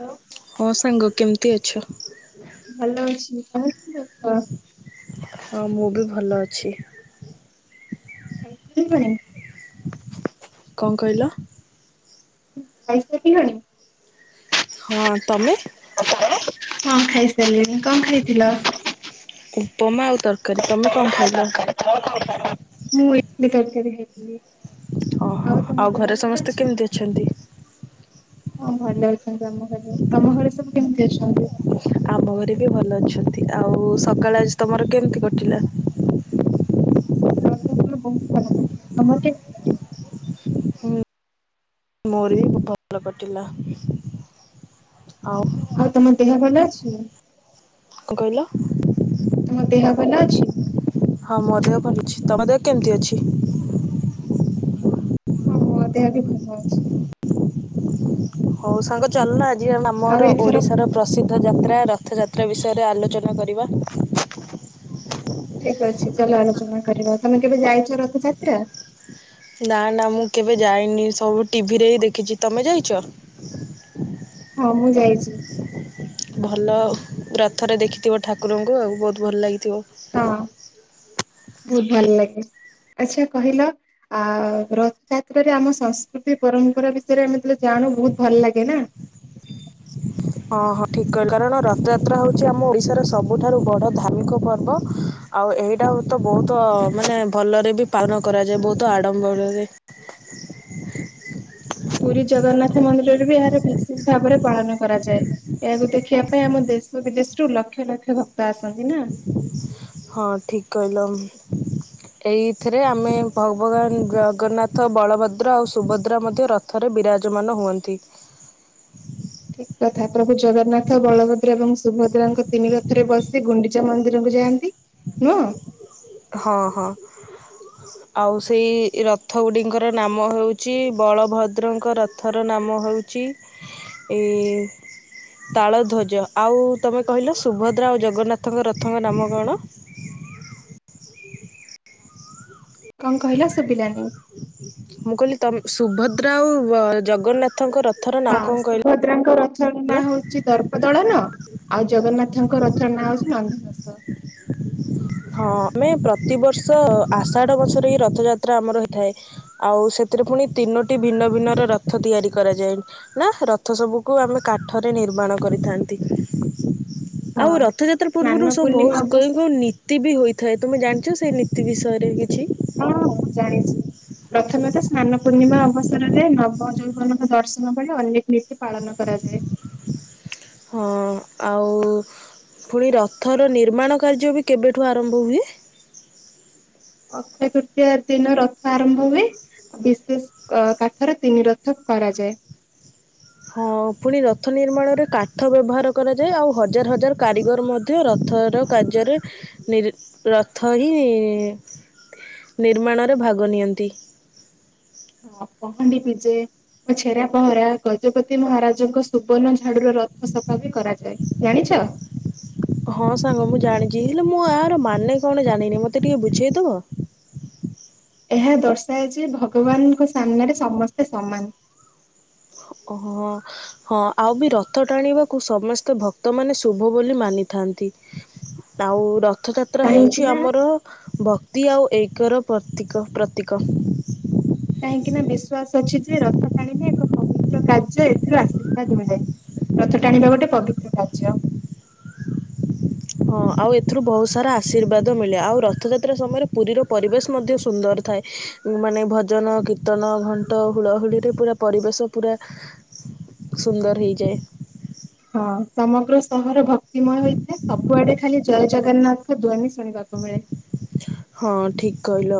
Hello ଭୋ ସାଙ୍ଗ କେମିତି ଅଛ? ଭଲ ଅଛି ତମେ କେମିତି କଣ? ହଁ, ମୁଁ ବି ଭଲ ଅଛି। ଖାଇସାରିଲଣି। କଣ କହିଲ? ଖାଇସାରିଲଣି। ହଁ, ତମେ। ହଁ, ଖାଇସାରିଲିଣି କଣ ଖାଇଥିଲ? ଉପମା ଆଉ ତର [unintelligible] ମୁଁ ଇଟିଲି ତରକାରୀ ଖାଇଥିଲି। ଓହୋ ତମ ଆଉ ଦେହ ଘରେ ଭଲ ସମସ୍ତେ ଅଛି? କେମିତି ଅଛନ୍ତି? ହଁ ଭଲ ଅଛନ୍ତି ଆମ ଘରେ। ତମ ଘରେ ସବୁ କେମିତି ଅଛନ୍ତି? ଆମ ଘରେ ବି ଭଲ ଅଛନ୍ତି। ଆଉ ସକାଳେ ଆଜି ତମର କେମିତି କଟିଲା? ସକାଳ ତ ମୋର ବହୁତ ଭଲ କଟିଲା ତମର କେମିତି କଟିଲା। ହୁଁ ମୋର ବି ଭଲ କଟିଲା ଆଉ ଆଉ ତମ ଦେହ ଭଲ ଅଛି। କଣ କହିଲ? ତମ ଦେହ ଭଲ ଅଛି। ହଁ ମୋ ଦେହ ଭଲ ଅଛି। ତମ ଦେହ କେମିତି ଅଛି? ହଁ, ମୋ ଦେହ ବି ଭଲ ଅଛି। ହଉ ସାଙ୍ଗ ଚାଲିଲା ଆଜି ଆଉ ଆମର ଏଥର ଓଡିଶାର ପ୍ରସିଦ୍ଧ ଯାତ୍ରା ରଥଯାତ୍ରା ବିଷୟରେ ଆଲୋଚନା କରିବା। ଠିକ ଅଛି ଚାଲ ଆଲୋଚନା କରିବା ତମେ କେବେ ଯାଇଛ ରଥଯାତ୍ରା। ନା ନା ମୁଁ କେବେ ଯାଇନି ସବୁ ଟିଭିରେ ହିଁ ଦେଖିଛି ତମେ ଯାଇଛ। ହଁ, ମୁଁ ଯାଇଛି। ଭଲ ରଥରେ ଦେଖିଥିବ ଠାକୁରଙ୍କୁ ଆଉ ବହୁତ ଭଲ ଲାଗିଥିବ। ହଁ ବହୁତ ଭଲ ଲାଗେ। ଆଚ୍ଛା କହିଲ, ଆ ରଥଯାତ୍ରାରେ ଆମ ସଂସ୍କୃତି ପରମ୍ପରା ବିଷୟରେ ଆମେ ସେ ଆଣୁ ବହୁତ ଭଲ ଲାଗେ ନା। ହଁ ହଁ ଠିକ୍ କହିଲ କାରଣ ରଥଯାତ୍ରା ହେଉଛି ଆମ ଓଡ଼ିଶାର ସବୁଠାରୁ ବଡ଼ ଧାର୍ମିକ ପର୍ବ। ଆଉ ଏଇଟାକୁ ତ ବହୁତ ମାନେ ଭଲରେ ବି ପାଳନ କରାଯାଏ ବହୁତ ଆଡ଼ମ୍ବରରେ। ପୁରୀ ଜଗନ୍ନାଥ ମନ୍ଦିରରେ ବି ଏହାର ବିଶେଷ ଭାବରେ ପାଳନ। କରାଯାଏ ଏହାକୁ ଦେଖିବା ପାଇଁ ଆମ ଦେଶ ବିଦେଶରୁୁ ଲକ୍ଷ ଲକ୍ଷ ଭକ୍ତ ଆସନ୍ତି ନା। ହଁ ଠିକ କହିଲ। ଏଇଥିରେ ଆମେ ଭଗବାନ ଜଗନ୍ନାଥ ବଳଭଦ୍ର ଆଉ ସୁଭଦ୍ରା ମଧ୍ୟ ରଥ ଥରେ ବିରାଜମାନ ହୁଅନ୍ତି। ଠିକ କଥା ପ୍ରଭୁ ଜଗନ୍ନାଥ, ବଳଭଦ୍ର ଏବଂ ସୁଭଦ୍ରାଙ୍କ ତିନି ରଥରେ ବସି ଗୁଣ୍ଡିଚା ମନ୍ଦିରକୁ ଯାଆନ୍ତି। ନୂଅଁ ହଁ ହଁ ଆଉ ସେଇ ରଥଗୁଡିଙ୍କର ନାମ ହେଉଛି ବଳଭଦ୍ରଙ୍କ ରଥର ନାମ ହଉ ଛି ଏଇ ତାଳଧ୍ୱଜ ଆଉ ତମେ କହିଲ ସୁଭଦ୍ରା ଆଉ ଜଗନ୍ନାଥଙ୍କ ରଥଙ୍କ ନାମ କଣ? କଣ କହିଲ ଶୁଭିଲାନି? ମୁଁ କହିଲି ତମେ ସୁଭଦ୍ରା ଆଉ ଜଗନ୍ନାଥଙ୍କ ର ହଁ ସୁଭଦ୍ରାଙ୍କ ରଥର ନା ହଉଛି ଉଛି ଦର୍ପଦଳନ ଆଉ ଜଗନ୍ନାଥଙ୍କ ରଥର ନାଁ ହଉଛି ନନ୍ଦିଘୋସ। ହଁ ଆମେ ପ୍ରତିବର୍ଷ ଆଷାଢ ମାସରେ ହିଁ ରଥଯାତ୍ରା ଆମର ହେଇଥାଏ ଆଉ ସେଥିରେ ପୁଣି ତିନୋଟି ଭିନ୍ନ ଭିନ୍ନ ରଥ ତିଆରି କରାଯାଏ ନା ରଥ ସବୁକୁ ଆମେ କାଠରେ ନିର୍ମାଣ କରିଥାନ୍ତି ହଁ ଆଉ ରଥଯାତ୍ରା ପୂର୍ବରୁ ସ୍ନାନ ସବୁ ପୂର୍ଣ୍ଣିମା ବହୁତ ଅବସ କେଉଁ କେଉଁ ନି ନୀତି ବି ହୋଇଥାଏ ତୁମେ ଜାଣିଛ ସେଇ ନୀତି ବିଷୟରେ କିଛି ହଁ ଜାଣିଛି ପ୍ରଥମେ ତ ସ୍ନାନ ପୂର୍ଣ୍ଣିମା ଅବସରରେ ନବ ଯେଉମାନାନଙ୍କ ଦର୍ଶନ ବ ଅନେକ ନୀତି ପାଳନ କରାଯାଏ ହଁ ଆଉ ପୁଣି ରଥର ନିର୍ମାଣ କାର୍ଯ୍ୟ ବି କେବେଠୁ ଆରମ୍ଭ ହୁଏ ଅକ୍ଷୟ ତୃତୀୟା ଦିନ ରଥ ଆରମ୍ଭ ହୁଏ। ବିଶେଷ କାଠରେ ତିନି ରଥ କରାଯାଏ। ହଁ ପୁଣି ରଥ ନିର୍ମାଣରେ କାଠ ବ୍ୟବହାର କରାଯାଏ ଆଉ ହଜାର ହଜାର କାରିଗର ମ ରଥ କାର୍ଯ୍ୟରେ ନିର ରଥ ହିଁ ନିର୍ମାଣରେ ଭାଗ ନିଅନ୍ତି ହଁ ପହାଡି ପିଜେ ଓ ଛେରା ପହଁରା ଗଜପତି ମହାରାଜଙ୍କ ସୁବର୍ଣ୍ଣ ଝାଡୁର ରଥ ଫ ସଫା ବି କରାଯାଏ ଜାଣିଛ ହଁ ସାଙ୍ଗ ମୁଁ ଜାଣିଛି ହେଲେ ମୁଁ ଆର ମାନେ କଣ ଜାଣିନି ମତେ ଟିକେ ବୁଝେଇଦବ? ଏହା ଦର୍ଶାଏଜେ ଭଗବାନଙ୍କ ସାମ୍ନାରେ ସମସ୍ତେ ସମାନ ଓହୋ ହଁ ଆଉ ବି ରଥ ଟାଣିବାକୁ ସମସ୍ତେ ଭକ୍ତମାନେ ଶୁଭ ବୋଲି ମାନିଥାନ୍ତି ଆଉ ର ରଥଯାତ୍ରା କାହିଁକି ହେଉଛି ନା ଆମର ଭକ୍ତି ଆଉ ଏକର ପ୍ରତୀକ ପ୍ରତୀକ କାହିଁକି ନା ବିଶ୍ବାସ ଅଛି ଯେ ରଥ ଟାଣିଲେ ଏକ ପବିତ୍ର କାର୍ଯ୍ୟ ଏଥିରୁ ଆଶୀର୍ବାଦ ମିଳେ ରଥ ଟାଣିବା ଗୋଟେ ପବିତ୍ର କାର୍ଯ୍ୟ ହଁ ଆଉ ଏଥିରୁ ବହୁତ ସାରା ଆଶୀର୍ବାଦ ମିଳେ ଆଉ ରଥଯାତ୍ରା ସମୟରେ ପୁରୀର ପରିବେଶ ମଧ୍ୟ ସୁନ୍ଦର ଥାଏ। ମାନେ ଭଜନ କୀର୍ତ୍ତନ ଘଣ୍ଟ ହୁଳାହୁଳିରେ ପୁରା ପରିବେଶ ପୁରା [inaudible] ସୁନ୍ଦର ହେଇଯାଏ। ହଁ ସମଗ୍ର ସହର ଭକ୍ତିମୟ ହୋଇଥାଏ ସବୁଆଡେ ଖାଲି ଜୟ ଜଗନ୍ନାଥଙ୍କ ଧ୍ୱନି ଶୁଣିବାକୁ ମିଳେ ହଁ ଠିକ କହିଲ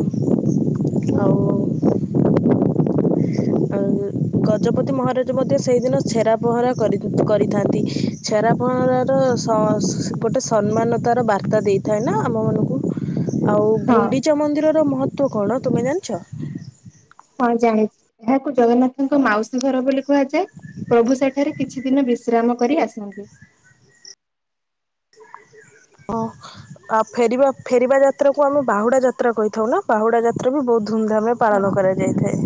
ଆଉ [inaudible] ଆ ଗଜପତି ମହାରାଜ ମଧ୍ୟ ସେଇଦିନ ଛେରା ପହଁରା କରି କରିଥାନ୍ତି ଛେରା ପହଁରା ଗୋଟେ ସମ୍ମାନତାର ବାର୍ତ୍ତା ଦେଇଥାଏ ନା ଆମ ମାନଙ୍କୁ ଆଉ ହଁ ଗୁଣ୍ଡିଚା ମନ୍ଦିରର ମହତ୍ୱ କଣ ତୁମେ ଜାଣିଛ? ହଁ ଜାଣିଛି ଏହାକୁ ଜଗନ୍ନାଥଙ୍କ ମାଉସୀ ଘର ବୋଲି କୁହାଯାଏ। ପ୍ରଭୁ ସେଠାରେ କିଛି ଦିନ ବିଶ୍ରାମ କରି ଆସନ୍ତି। ଓ ଆଉ ଫେରିବା ଫେରିବା ଯାତ୍ରାକୁ ଆମେ ବାହୁଡ଼ା ଯାତ୍ରା କହିଥାଉ ନା ବାହୁଡ଼ା ଯାତ୍ରା ବି ବହୁତ ଧୁମଧାମେ ହଁ ପାଳନ କରାଯାଇଥାଏ।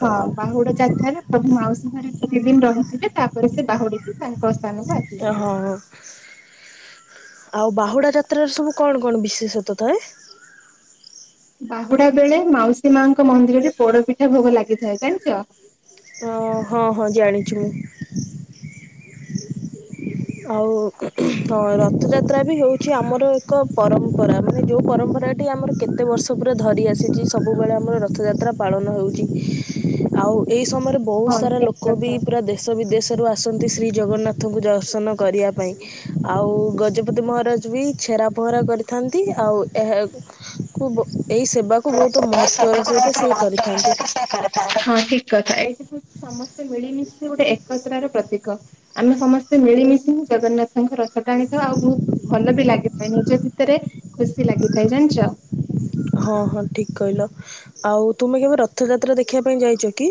ହଁ ବାହୁଡ଼ା ଯାତ୍ରାରେ ପ୍ରଭୁ ମାଉସୀ ଘରେ କିତେ ଦିନ ରହିଥିବେ ତାପରେ ସେ ବାହୁଡି ବେ। ତା [unintelligible] ତ ହଁ ଆଉ ବାହୁଡା ଯାତ୍ରାର ସବୁ କଣ କଣ ବିଶେଷତ ଥାଏ। ବାହୁଡା ବେଳେ ମାଉସୀ ମାଙ୍କ ମନ୍ଦିରରେ ପୋଡପିଠା ଭୋଗ ଲାଗିଥାଏ ଜାଣିଛ? ଅ ହଁ ହଁ ଜାଣିଛୁ ମୁ। ଆଉ ହ ରଥଯାତ୍ରା ବି ହଉଛି ଆମର ଏକ ପରମ୍ପରା ମାନେ ଯୋଉ ପରମ୍ପରା ସେଠି ଆମର କେତେ ବର୍ଷ ପୁରା ଧରି ଆସିଛି ସବୁବେଳେ ଆମର ରଥଯାତ୍ରା ପାଳନ ହେଉଛି ଆଉ ଏଇ ସମୟରେ ବହୁତ ହଁ ସାରା ଠିକ ଲୋକ ବି କଥା। ପୁରା ଦେ ଦେଶ ବିଦେଶରୁ ଆସନ୍ତି ଶ୍ରୀ ଜଗନ୍ନାଥଙ୍କୁ ଦର୍ଶନ କରିବା ପାଇଁ। ଆଉ ଗଜପତି ମହାରାଜ ବି ଛେରା ଫହଁରା କରିଥାନ୍ତି ଆଉ ଏହା କୁ ବ ଏହି ସେବା [unintelligible] ହଁ ଠିକ କଥା ଏଇଠି ହଉଛି ସମସ୍ତେ ମିଳିମିଶି ଗୋଟେ ଏକତ୍ର ର ପ୍ରତୀକ। ଆମେ ସମସ୍ତେ ମିଳିମିଶି ଜଗନ୍ନାଥଙ୍କ ରଥ ଟାଣି ଥାଉ ଆଉ ବହୁତ ଭଲ ବି ଲାଗେ। ନିଜ ଭିତରେ ଖୁସି ଲାଗିଥାଏ ଜାଣିଛ। ହଁ ହଁ ଠିକ କହିଲ ଆଉ ତୁମେ କେବେ ରଥଯାତ୍ରା ଦେଖିବା ପାଇଁ ଯାଇଛ କି?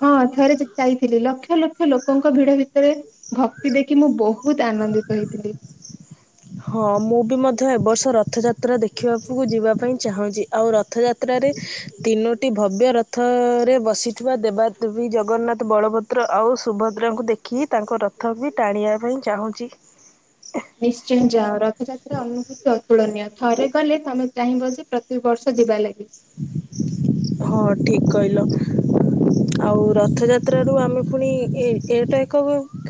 ହଁ ଥରେ ଯାଇଥିଲି ଲକ୍ଷ ଲକ୍ଷ ଲୋକଙ୍କ ଭିଡ ଭିତରେ ଭକ୍ତି ଦେଖି ମୁଁ ବହୁତ ଆନନ୍ଦିତ ହେଇଥିଲି। ହଁ ମୁଁ ବି ମଧ୍ୟ ଏବର୍ଷ ରଥଯାତ୍ରା ଦେଖିବାକୁ ଯିବା ପାଇଁ ଚାହୁଁଛି ଆଉ ରଥଯାତ୍ରା ଯାତ୍ରାରେ ତିନୋଟି ଭବ୍ୟ ରଥରେ ବସିଥିବା ଦେବାଦେବୀ ଜଗନ୍ନାଥ ବଳଭଦ୍ର ଦ୍ର ଆଉ ସୁଭଦ୍ରାଙ୍କୁ ଦେଖି ତାଙ୍କ ରଥ ବି ଟାଣିବା ପାଇଁ ଚାହୁଁଛି। ନିଶ୍ଚୟ ଯାଅ ରଥଯାତ୍ରା ଅନୁଭୂତି ଅତୁଳନୀୟ। ଥରେ କଲେ ତମେ ଚାହିଁବ ଯେ ପ୍ରତି ବର୍ଷ ଯିବା ଲାଗି। ହଁ ଠିକ କହିଲ। ଆଉ ରଥଯାତ୍ରାରୁୁ ଆମେ ପୁଣି ଏଇଟା ଏକ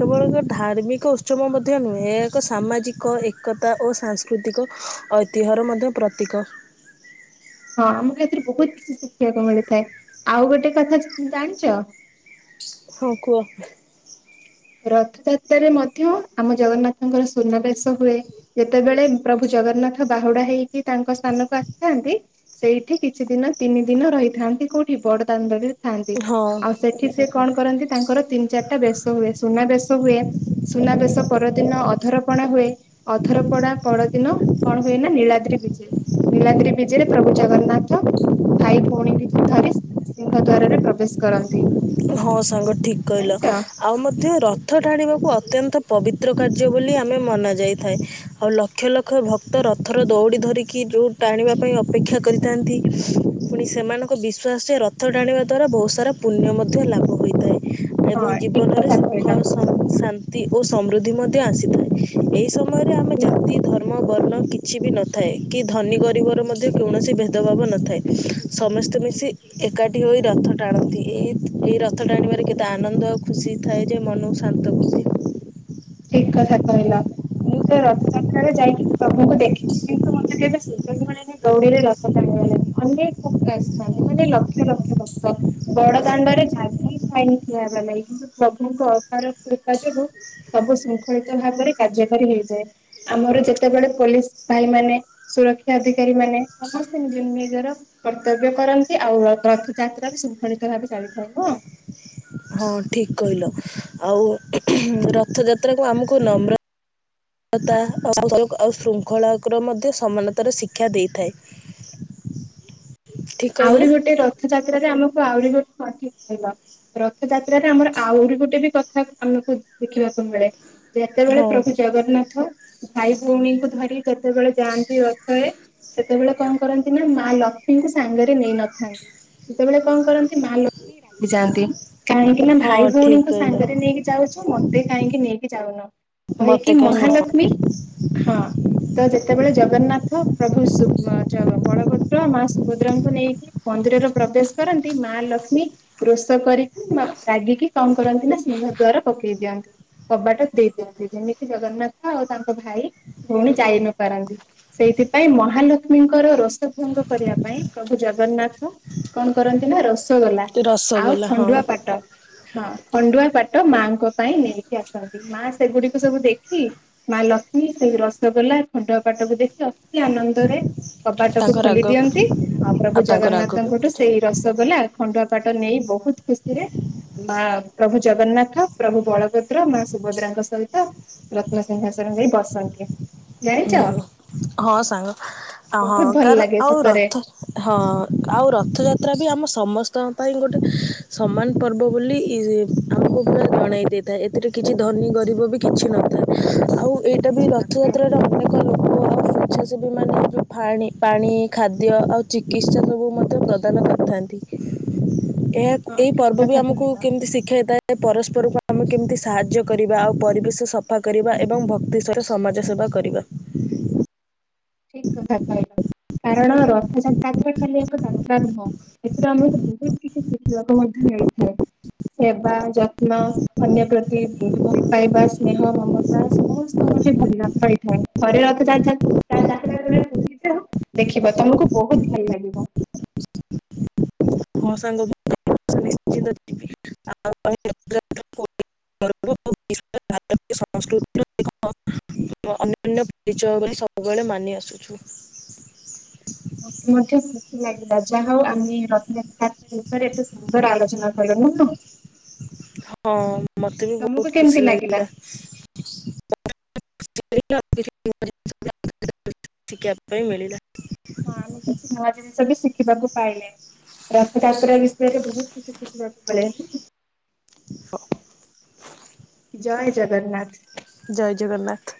କେବଳ ଏକ ଧାର୍ମିକ ଉମ ମଧ୍ୟ ନୁହେଁ ଏହା ଏକ ସାମାଜିକ ଏକତା ଓ ସାଂସ୍କୃତିକ ଐତିହ୍ୟର ମଧ୍ୟ ପ୍ରତୀକ। ହଁ ଆମକୁ ଏଥିରୁ ବହୁତ କିଛି ଶିଖିବାକୁ ମିଳିଥାଏ ଆଉ ଗୋଟେ କଥା ଜାଣିଛ? ହଁ କୁହ? ରଥଯାତ୍ରାରେ ମଧ୍ୟ ଆମ ଜଗନ୍ନାଥଙ୍କର ସୁନାବେସ ହୁଏ ଯେତେବେଳେ ପ୍ରଭୁ ଜଗନ୍ନାଥ ବାହୁଡା ହେଇକି ତାଙ୍କ ସ୍ଥାନକୁ ଆସିଥାନ୍ତି। ସେଇଠି କିଛି ଦିନ ତିନି ଦିନ ରହିଥାନ୍ତି କୋଉଠି ବଡ ତାଣ୍ଡରେ ଥାନ୍ତି ହଁ ଆଉ ସେଠି ସେ କଣ କରନ୍ତି ତାଙ୍କର ତିନି ଚାରିଟା ବେଶ ହୁଏ ସୁନା ବେଶ ହୁଏ। ସୁନାବେଶ ପରଦିନ ଅଧରପଣା ହୁଏ। ଅଧର ପଡା ପରଦିନ କଣ ହୁଏ ନା ନୀଳାଦ୍ରି ବିଜେ ନୀଲାଦ୍ରି ବିଜେରେ ପ୍ରଭୁ ଜଗନ୍ନାଥ ଭାଇ ଭଉଣୀ କି ଧରି ସିଂହ ଦ୍ୱାରରେ ପ୍ରବେଶ କରନ୍ତି। ହଁ ସାଙ୍ଗ ଠିକ କହିଲ। ଜାଣିଛ? ଆଉ ମଧ୍ୟ ରଥ ଟଣିବାକୁ ଅତ୍ୟନ୍ତ ପବିତ୍ର କାର୍ଯ୍ୟ ବୋଲି ଆମେ ମନାଯାଇଥାଏ। ଆଉ ଲକ୍ଷ ଲକ୍ଷ ଭକ୍ତ ରଥର ଦଉଡି ଧରିକି ଯୋଉ ଟାଣିବା ପାଇଁ ଅପେକ୍ଷା କରି ଥାନ୍ତି ପୁଣି ସେମାନଙ୍କ ବିଶ୍ୱାସରେ ରଥ ଟାଣିବା ଦ୍ୱାରା ବହୁତ ସାରା ପୁଣ୍ୟ ମଧ୍ୟ ମଧ୍ୟ ଲାଭ ହୋଇଥାଏ ଏବଂ ହଁ ଠିକ ଜୀବନରେ କଥା ସୁଖ କହିଲ। ଶାନ୍ତି ନ୍ତି ଓ ସମୃଦ୍ଧି ମଧ୍ୟ ଆସିଥାଏ ଏହି ସମୟରେ ଆମେ ହୁଁ। ଜାତି ଧର୍ ମ ବର୍ଣ୍ଣ କିଛି ବି ନଥାଏ କି ଧନୀ ଗରିବର ମଧ୍ୟ କୌଣସି ଭେଦଭାବ ନଥାଏ। ସମସ୍ତେ ମିଶି ଏକାଠି ହୋଇ ରଥ ଟାଣନ୍ତି ଏହି ଏଇ ରଥ ଟାଣିବାରେ କେତେ ଆନନ୍ଦ ଆଉ ଖୁସି ଥାଏ ଯେ ମନକୁ ଶାନ୍ତ ଖୁସି ଠିକ କଥା କହିଲା ମୁଁ ତ ରଥଯାତ୍ରାରେ ଯାଇକି ପ୍ରଭୁଙ୍କୁ ଦେଖି କିନ୍ତୁ ମତେ କେବେ ସୁଜଗ ମିଳିନି ଦୌଡିରେ ରଥ ଟାଣିବା ଲାଗି ଅନେକ ଭକ୍ତ ଆସିଥାନ୍ତି ମାନେ ଲକ୍ଷ ଲକ୍ଷ ଭକ୍ତ। ବଡ ଦାଣ୍ଡରେ ଜାଗି ପାଏନି ଠିଆ ହେବା ଲାଗି କିନ୍ତୁ ପ୍ରଭୁଙ୍କ ଅପର କୃପା ଯୋଗୁ ସବୁ ଶୃଙ୍ଖଳିତ ଭାବରେ କାର୍ଯ୍ୟକାରୀ ହେଇଯାଏ ଆମର ଯେତେବେଳେ ପୋଲିସ୍ ଭାଇ ମାନେ ସୁରକ୍ଷା ଅଧିକାରୀ ମାନେ ସମସ୍ତେ ନିଜ ନିଜର କର୍ତ୍ତବ୍ୟ କରନ୍ତି ଆଉ ରଥଯାତ୍ରା ଶୃଙ୍ଖଳିତ ଭାବେ ଚାଲିଥାଏ ନୁହଁ ହଁ ଠିକ୍ କହିଲ ଆଉ ରଥଯାତ୍ରା କୁ ଆମକୁ ନମ ନର୍ମତା ଶୃଙ୍ଖଳା ମଧ୍ୟ ସମାନତାର ଶିକ୍ଷା ଦେଇଥାଏ ହୁଁ ହୁଁ ଠିକ୍ କହିଲି ଆହୁରି ନା? ଗୋଟେ ରଥଯାତ୍ରାରେ ଆମକୁ ଆହୁରି ଗୋଟେ ସଠିକ୍ କହିଲ ରଥଯାତ୍ରାରେ ଆମର ଆହୁରି ଗୋଟେ ବି କଥା ଆମକୁ ଶିଖିବାକୁ ମିଳେ ଯେତେବେଳେ ହଁ ପ୍ରଭୁଜଗନ୍ନାଥ ଭାଇ ଭଉଣୀଙ୍କୁ ଧରିକି ଯେତେବେଳେ ଯାଆନ୍ତି ରଥରେ ସେତେବେଳେ କଣ କରନ୍ତି ନା ମା ଲକ୍ଷ୍ମୀଙ୍କୁ ସାଙ୍ଗରେ ନେଇନଥାନ୍ତି ସେତେବେଳେ କଣ କରନ୍ତି ମା ଲକ୍ଷ୍ମୀ ରାଗିଯାଆନ୍ତି କାହିଁକି ନା ହଁ ଭାଇ ଠିକ୍ ଭଉଣୀଙ୍କୁ କହିଲ ସାଙ୍ଗରେ ନେଇକି ଯାଉଛ ମତେ କାହିଁକି ନେଇକି ଯାଉନ ମତେ କହିକି କାହିଁ ନୁହଁ ମହାଲକ୍ଷ୍ମୀ ହଁ ତ ଯେତେବେଳେ ଜଗନ୍ନାଥ ପ୍ରଭୁ ବଳଭଦ୍ର ମା ସୁଭଦ୍ରାଙ୍କୁ ନେଇକି ମନ୍ଦିରରେ ପ୍ରବେଶ କରନ୍ତି ମା ଲକ୍ଷ୍ମୀ ରୋଷ କରିକି ରାଗିକି କଣ କରନ୍ତି ନା ସିଂଙ୍ଗ ଦ୍ଵାର ପକେଇ ଦିଅନ୍ତି କବାଟ ଦେଇ ଦିଅନ୍ତି ଯେମିତି ଜଗନ୍ନାଥ ଆଉ ତାଙ୍କ ଭାଇ ଭଉଣୀ ଯାଇ ନ ପାରନ୍ତି ସେଇଥିପାଇଁ ମହାଲକ୍ଷ୍ମୀଙ୍କର ରୋସ ଭଙ୍ଗ କରିବା ପାଇଁ ପ୍ରଭୁ ଜଗନ୍ନାଥ କଣ କରନ୍ତି ନା ରସଗୋଲା ଆଉ ରସଗୋଲା ହଁ ଖଣ୍ଡୁଆ ପାଟ ହଁ ଖଣ୍ଡୁଆ ପାଟ ମାଙ୍କ ପାଇଁ ନେଇକି ଆସନ୍ତି ମା ସେଗୁଡିକୁ ସବୁ ଦେଖି ମା ଲକ୍ଷ୍ମୀ ସେ ରସଗୋଲା ଖଣ୍ଡୁଆ ପାଟକୁ ଦେଖି ଅତି ଆନନ୍ଦରେ କବାଟକୁ ତାଙ୍କ ରାଗ ଖୋଲି ବି ଦିଅନ୍ତି ଆଉ ପ୍ରଭୁ ତାଙ୍କ ରାଗ ଜଗନ୍ନାଥଙ୍କଠୁ ବି ସେଇ ରସଗୋଲା ଖଣ୍ଡୁଆ ପାଟ ନେଇ ବହୁତ ଖୁସିରେ ମା ପ୍ରଭୁ ଜଗନ୍ନାଥ ପ୍ରଭୁ ବଳଭଦ୍ର ମା ସୁଭଦ୍ରାଙ୍କ ସହିତ ରତ୍ନସିଂହାସନ ଦେଇ ବସନ୍ତି ଜାଣିଛ ହଁ ହଁ ସାଙ୍ଗ ଆ ବହୁତ ହଁ ଭଲ କାର ଲାଗେ ଆଉ ସତରେ। ରଥ ହଁ ଆଉ ରଥଯାତ୍ରା ବି ଆମ ସମସ୍ତଙ୍କ ପାଇଁ ଗୋଟେ ସମାନ ପର୍ବ ବୋଲି ଆମକୁ ପୁରା ଜଣେଇ ଦେଇଥାଏ ଏଥିରେ କିଛି ଧନୀ ଗରିବ ବି କିଛି ନଥାଏ ଆଉ ଏଇଟା ବି ରଥ ସେଠିମାନେ ଯେଉଁ ଫାଣି ପାଣି ଖାଦ୍ୟ ଆଉ ଚିକିତ୍ସା ସବୁ ମଧ୍ୟ ପ୍ରଦାନ କରିଥାନ୍ତି ଏହା ହଁ ଏଇ ଠିକ ପର୍ବ ବି କଥା ଆମକୁ କହିଲ। କେମିତି ଶିଖାଇଥାଏ ପରସ୍ପରକୁ ଆମେ କେମିତି ସାହାଯ୍ୟ କରିବା ଆଉ ପରିବେଶ ସଫା କରିବା ଏବଂ ଭକ୍ତିଶ୍ବରେ ସମାଜ ସେବା କରିବା ଠିକ୍ କଥା କହିଲ କାରଣ ରଥ ଯାତ୍ରା ଖାଲି ଏକ ଯାତ୍ରା ନୁହଁ ଏଥିରେ ଆମକୁ ବହୁତ କିଛି ଶିଖିବାକୁ ମଧ୍ୟ ମିଳେ ସେବା ଯତ୍ନ ଅନ୍ୟ ପ୍ରତି ସେ ବହୁତ ଭଲ ପାଇବା ସ୍ନେହ ମମତା ସମସ୍ତଙ୍କଠି ଭଲ ପାଇଥାଏ ଥରେ ରଥଯାତ୍ରା ଯାହା ଯାତ୍ରା କରିବାକୁ ଦେଖିବ ତମକୁ ବହୁତ ଭଲ ଲାଗିବ ହଁ ସାଙ୍ଗ ନିଶ୍ଚିତ ଯିବି ଭାରତୀୟ ସଂସ୍କୃତିର ଅନ୍ୟ ପରିଚୟ ନାହିଁ ସବୁବେଳେ ମାନି ଆସୁଛୁ ମତେ ମଧ୍ୟ ଖୁସି ଲାଗିଲା ଯାହା ହଉ ଆମେ ରଥଯାତ୍ରା ନିସାରେ ଏତେ ସୁନ୍ଦର ଆଲୋଚନା କରିବା ଭୁଲ? ହଁ ମୋତେ ବି ତମକୁ ବହୁତ କେମିତି ଖୁସି ଲାଗିଲା। [inaudible] ଶିଖିବା ପାଇଁ ମିଳିଲା। ହଁ ଆମେ କିଛି ନୂଆ ଜିନିଷ ବି ଶିଖିବାକୁ ପାଇଲେ। ରଥଯାତ୍ରା ବିଷୟରେ ବହୁତ କିଛି ଶିଖିବାକୁ ମିଳେ। [unintelligible] ଜୟ ଜଗନ୍ନାଥ। ଜୟ ଜଗନ୍ନାଥ।